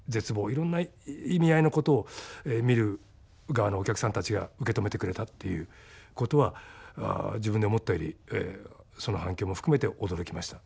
いろんな意味合いのことを見る側のお客さんたちが受け止めてくれたっていうことは自分で思ったよりその反響も含めて驚きました。